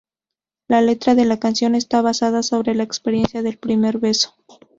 La letra de la canción está basada sobre la experiencia del primer beso.